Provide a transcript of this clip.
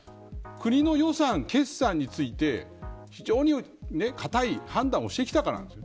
国の予算、決算について非常に堅い判断をしてきたからなんです。